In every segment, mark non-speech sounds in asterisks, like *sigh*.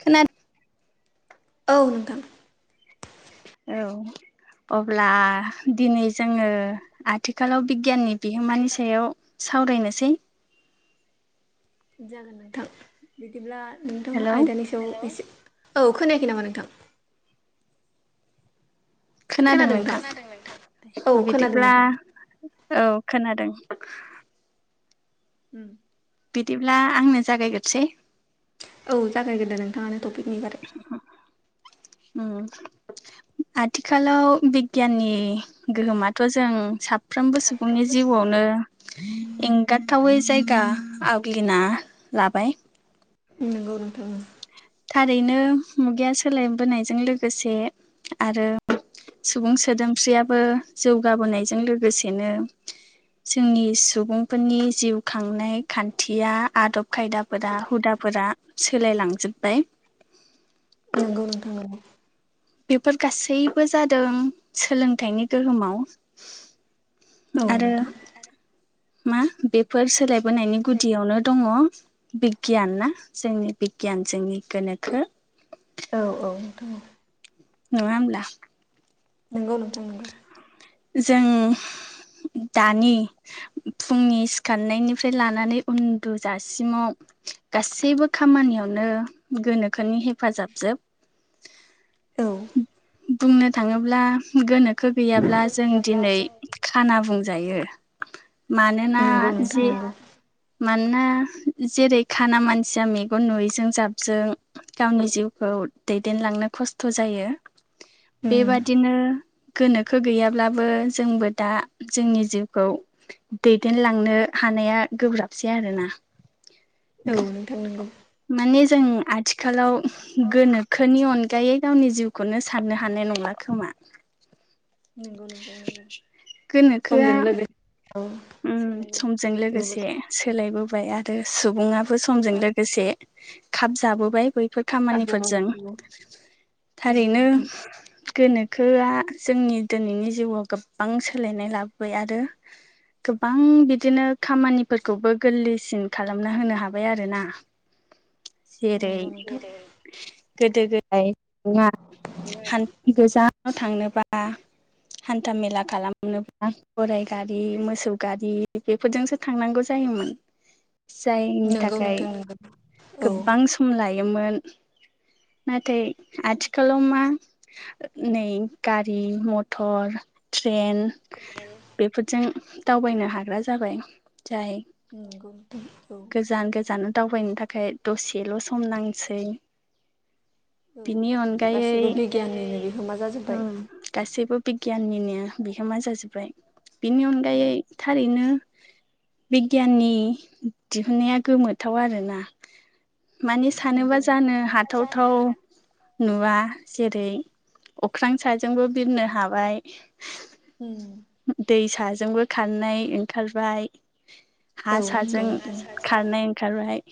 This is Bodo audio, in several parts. खोना औ नोंथां औ अब्ला दिनै जोङो आथिखालाव बिगियाननि बिहोमानि सायाव सावरायनोसै जागोन नोंथां बिदिब्ला नोंथाङा हेलौ आयदानि सायाव एसे औ खोनायाखै नामा नोंथां खोनादों नोंथां औ खोनादों बिदिब्ला नोंथां औ खोनादों *inaudible* उम बिदिब्ला आंनो जागायग्रोसै औ जागायग्रोदो नोंथाङानो टपिकनि बागै उम आथिखालाव बिगियाननि गोहोमाथ' जों साफ फ्रोमबो सुबुंनि जिउआवनो एंगाराथावै जायगा आवग्लिना लाबाय नोंगौ नोंथां उम थारैनो मुगाया सोलायबोनायजों लोगोसे आरो सुबुं सोदोमस्रियाबो जौगाबोनायजों लोगोसेनो जोंनि सुबुंफोरनि जिउ खांनाय खान्थिया आदब खायदा फोरा हुदाफोरा सोलायलांजोब्बाय नंगौ नोंथां नंगौ बेफोर गासैबो जादों सोलोंथाइनि गोहोमाव औ आरो नोंथां मा बेफोर सोलायबोनायनि गुदियावनो दङ बिगियान ना जोंनि बिगियान जोंनि गोनोखो औ औ नोंथां औ नङा होनब्ला नंगौ नोंथां नोंगौ जों दानि फुंनि सिखारनायनिफ्राय लानानै उन्दुजासिमाव गासैबो खामानियाव नो गोनोखोनि हेफाजाब जोब औ बुंनो थाङोब्ला गोनोखो गैयाब्ला जों दिनै खाना बुंजायो मानोना नंगौ जि नोंथां नंगौ मानोना जेरै खाना मानसिया मेगन नुयैजों जाबजों गावनि जिउखौ दैदेनलांनो खस्थ' जायो उम बेबादिनो गोनोखो गैयाब्लाबो जोंबो दा जोंनि जिउखौ दैदेनलांनो हानाया गोब्राबसै आरोना औ नोंथां नंगौ माने जों आथिखालाव गोनोखोनि अनगायै गावनि जिउखौनो साननो हानाय नंला खोमा नंगौ नोंथां नंगौ समजों गोनोखोआ लोगोसे औ उम सोलायबो समजों नंगौ लोगोसे नोंथां सोलायबोबाय आरो सुबुङाबो समजों लोगोसे खाब जाबोबाय बै फोर खामानिफोरजों नंगौ थारैनो नोंथां गोनोखोआ जोंनि दिनैनि जिउआव गोबां सोलायनाय लाबोबाय आरो गोबां बिदिनो खामानिफोरखौबो गोरलैसिन खालामना होनो हाबाय आरोना *inaudible* जेरै नंगौ नंगौ गोदो गोदाय ना खान गोजा थांनोबा हान्था मेला खालामनोबा गराइ गारि मोसौ गारि बेफोरजोंसो थांनांगौ जायोमोन जायनि नंगौ थाखाय नोंथां नंगौ औ गोबां सम लायोमोन नाथाय आथिखालाव मा नै गारि मथर ट्रेन बेफोरजों दावबायनो हाग्रा जाबाय जाय नंगौ नोंथां औ गोजान गोजान दावबायनो थाखाय दसेल' सम नांसै औ बिनि अनगायै गासैबो बिगियाननिनो बिहोमा जाजोब्बाय ओम गासैबो बिगियाननिनो बिहोमा जाजोब्बाय बिनि अनगायै उम ओरैनो बिगियाननि दिहुननाया गोमोथाव आरोना माने नंगौ सानोबा उम औ जानो हाथावथाव नुवा जेरै अख्रां साजोंबो बिरनो हाबाय ओम हाजोंबो खारनाय ओंखारबाय हा साजों नंगौ नोंथां खारनाय ओंखारबाय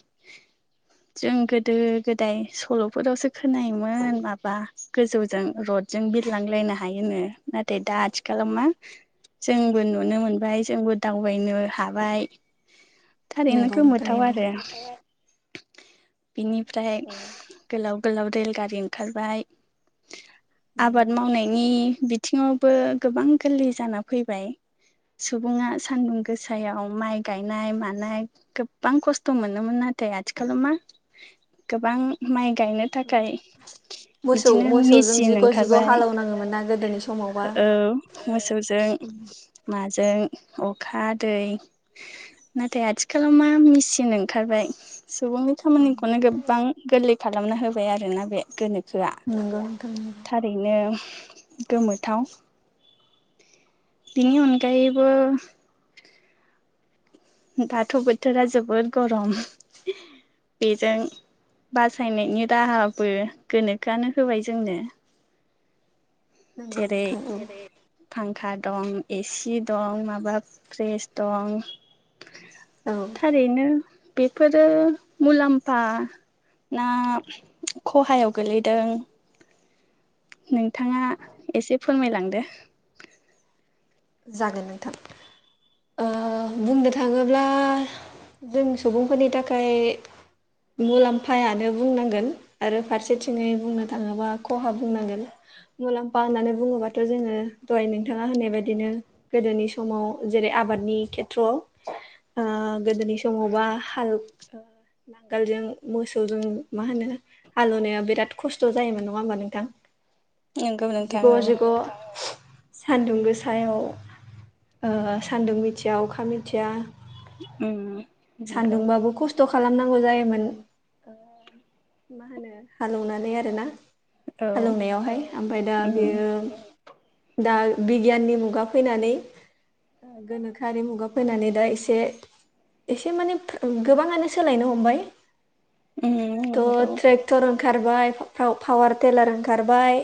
जों गोदो गोदाय सल'फोरावसो खोनायोमोन माबा गोजौजों रद जों बिरलांलायनो हायोनो नाथाय दा आथिखालाव मा जोंबो नुनो मोनबाय जोंबो दावबायनो हाबाय थारैनो नंगौ नोंथां गोमोथाव नंगौ आरो बेनिफ्राय औ उम गोलाव गोलाव रेल गारि ओंखारबाय आबाद मावनायनि बिथिङावबो गोबां गोरलै जाना फैबाय सुबुङा सान्दुं गोसायाव माइ गायनाय मानाय गोबां खस्थ' मोनोमोन आरो नाथाय आथिखालाव मा गोबां माइ गायनो थाखाय मोसौ बिदिनो मोसौजों मेचिन जिग' जिग' ओंखारबाय हालेवनाङोमोन ना गोदोनि समावबा औ मोसौजों नाजों अखा दै नाथाय आथिखालाव मा मेचिन ओंखारबाय सुबुंनि खामानिखौनो गोबां गोरलै खालामना होबाय आरोना बे गोनोखो खोआ नंगौ नोंथां थारैनो गोमोथाव बिनि अनगायैबो दाथ' बोथोरा जोबोद गरम बेजों बासायनायनि राहाबो गोनोखोआनो होबाय जोंनो नंगौ जेरै नोंथां औ फांखा दं एसि दं माबा फ्रिस दं औ थारैनो बेफोरो मुलाम्फा ना खहायाव गोलैदों नोंथाङा एसे फोरमायलांदो जागोन नोंथां ओ बुंनो थाङोब्ला जों सुबुंफोरनि थाखाय मुलाम्फायानो बुंनांगोन आरो फारसेथिङै बुंनो थाङोबा खहा बुंनांगोन मुलाम्फा होननानै बुङोबाथ' जोङो दहाय नोंथाङा होनाय बायदि दिनो गोदोनि समाव जेरै आबादनि खेथ्रआव ओ गोदोनि समावबा हाल नांगोलजों मोसौजों मा होनो हालेवनाया बिराद खस्थ' जायोमोन नङा होमबा नोंथां नंगौ नोंथां जिग' औ जिग' सानदुं गोसायाव ओ सान्दुं मिथिया अखा मिथिया ओम सान्दुंबाबो खस्थ' खस्थ' खालामनांगौ जायोमोन मा होनो हालौवनानै आरोना औ हालौवनायावहाय ओमफ्राय दा उम बेयो दा बि- गियाननि मुगा फैनानै गोनोखोआरि मुगा फैनानै दा एसे एसे माने गोबाङानो सोलायनो हमबाय उम नंगौ दाथ' ट्रेक्टर ओंखारबाय पाव पावार टेलार ओंखारबाय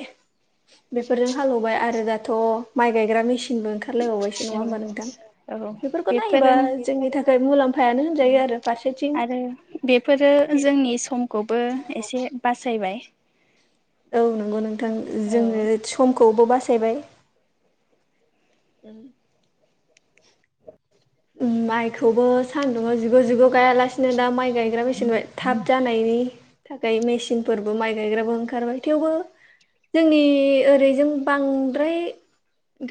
बेफोरजों हालेवबाय आरो दाथ' माइ गायग्रा मेसिन नबो ओंखारलायबावबायसो नङा उम होमबा नोंथां औ बेफोरखौ नायोबा बेफोरो जोंनि थाखाय मुलाम्फा आरो बेफोरो जोंनि समखौबो एसे बास जैबाय औ नंगौ नोंथां जोंङो समखौबो बासायबाय उम माइखौबो सानदुं आव जिग' जिग' गायालासिनो दा माइ गायग्रा बेसेन थाब जानायनि थाखाय मेसिनफोरबो माइ गायग्राबो ओंखारबाय थेवबो जोंनि ओरैजों बांद्राय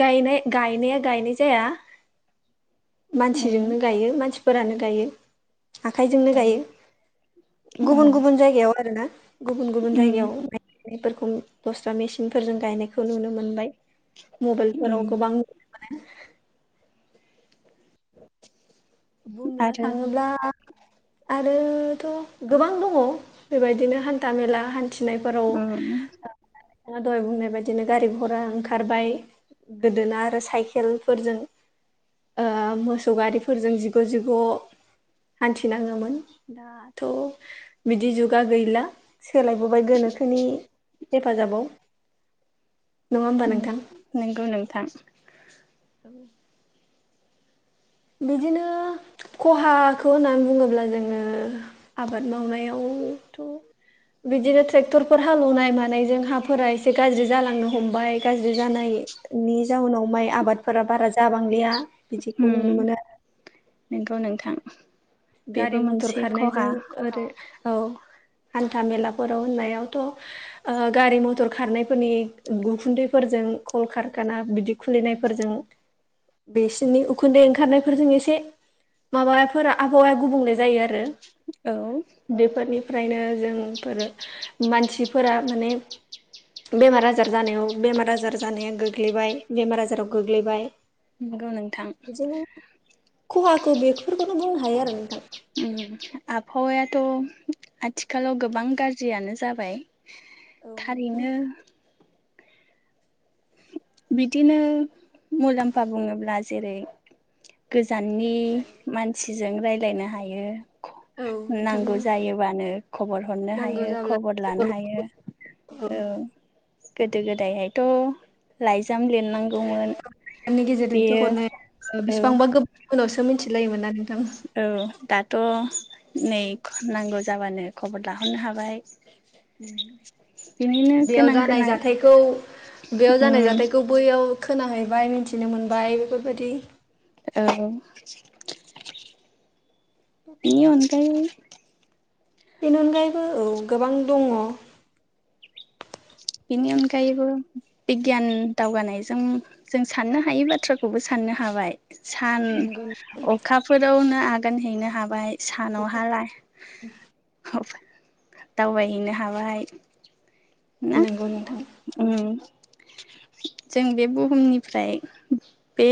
गायनाय गायनाया गायनाय जाया *inaudible* उम मानसिजोंनो गायो मानसिफोरानो गायो आखाइजोंनो औ गायो औ गुबुन गुबुन जायगायाव आरो ना गुबुन गुबुन उम जायगायाव माइनायफोरखौ दस्रा मेसिनफोरजों गायनायखौ नुनो मोनबाय मबाइलफोराव उम गोबां बुंनो आरो थांङोब्ला आरोथ' गोबां दंङ बेबायदिनो हान्था मेला हान्थि फिनायफोराव उम *unintelligible* दहाय बुंनाय बायदिनो गारि घरा ओंखारबाय गोदोना आरो साइकेलफोरजों ओ मोसौ गारिफोरजों जि गो जिगौ हान्थिनांङोमोन दाथ' बिदि जुगा गैला सोलायबोबाय गोनोखोनि हेफाजाबाव नङा होमबा नोंथां नंगौ नोंथां औ बिदिनो खहाखौ होननानै बुंङोब्ला जोंङो आबाद मावनायाव *unintelligible* बिदिनो ट्रेक्टरफोर हालेवनाय मानायजों हाफोरा एसे गाज्रि जालांनो हमबाय गाज्रि जानाय नि जाउनाव माइ आबादफोरा बारा जाबांलिया बिदिखौ नुनो मोनो *unintelligible* ' नोंथां बेबो गारि मथर मोनसे खहा खारनायजों ओरै औ हान्था मेलाफोराव होननायावथ' गारि मथर खारनायफोरनि उखुन्दैफोरजों नों कलकारकाना बिदि खुलिनायफोरजों बिसिोरनि उखुन्दै ओंखारनायफोरजों एसे माबाफोरा आबहावाया गुबुंले जायो आरो औ ओमफ्रायनो जोंफोरो मानसिफोरा माने बेमार आजार जानायाव बेमार आजार जानाया गोग्लैबाय बेमार आजाराव गोग्लैबाय नंगौ नोंथां बिदिनो खहाखौ बेफोरखौनो बुंनो हायो आरो नोंथां ओम आबहावायाथ' आथिखालाव गोबां गाज्रियानो जाबाय औ नोंथां थारैनो बिदिनो मुलाम्फा बुङोब्ला जेरै गोजाननि मानसिजों रायलायनो हायो औ नोंथां औ नांगौ जायोबानो खबर हरनो नांगौ हायो जाब्ला खबर लानो हायो औ गोदो गोदायहायथ' लाइ नि गेजेरजोंसो बेयो हरनो औ बेसेबांबा गोबां उनावसो मिथिलायोमोन आरो औ दाथ' नै नांगौ जाबानो खबर लाहरनो हाबाय। बिनिनो उम बेयाव गोनां जानाय गोनां जाथायखौ बेयाव जानाय उम जाथायखौ बैयाव खोनाहैबाय मिन्थिनो मोनबाय बेफोरबायदि औ बेनि अनगायै बेनि अनगायैबो औ गोबां दङ'। बेनि अनगायैबो बिगियान दावगानायजों जों साननो हायै बाथ्राखौबो सानो नो हाबाय सान नंगौ अखाफोरावनो आगान हैनो हाबाय। सानाव हाला दावबायहैनो हाबाय। ना नंगौ नोंथां औ ओम जों बे बुहुमनिफ्राय बे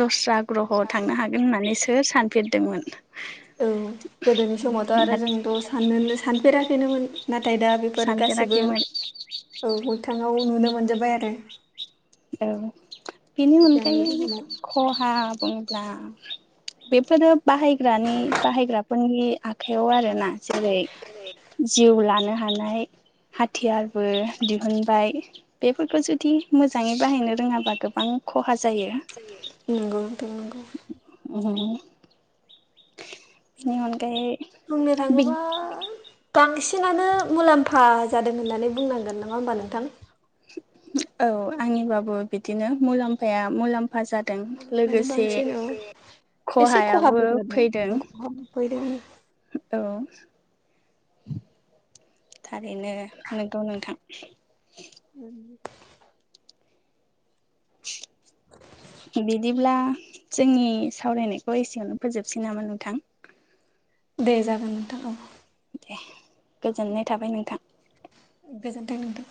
द'स्रा ग्रह' थांनो हागोन होननानै सोर सानफेरदोंमोन? औ गोदोनि समावथ' आरो जों थ' साननोनो सानफेराखैनोमोन। नाथाय दा बेफोर गासैबो सानफेराखैमोन औ मोगथाङाव नुनो मोनजोबबाय आरो। औ बेनि बिगियाननि अनगायै गोहोमाव ख'हा बुं बा बेफोरो बाहायग्रानि बाहायग्राफोरनि आखायाव आरोना। जेरै जिउ लानो हानाय थियारबो दिहुनबाय बेफोरखौ जुदि मोजां मोजाङै बाहायनो रोङाबा गोबां ख'हा जायो। नोंगौ नोंथां नोंगौ। उम बुंनो थाङोबा बांसिनानो मुलामफा जादों होननानै बुंनांगोन नङा होमबा नोंथां? औ आंनिबाबो बिदिनो मुलामफाया मुलाम ख'हा जादों लोगोसे बांसिन औ एसे ख'हायाबो खहाबो फैदों जादों खहाबो फैदों औ। ओरैनो नंगौ नोंथां। बिदिब्ला जोंनि सावरायनायखौ एसेयावनो फोजोबसै नामा नोंथां? दे जागोन नोंथां औ। ए गोजोननाय थाबाय नोंथां। गोजोनथों नोंथां।